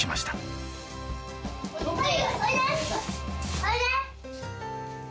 おいで！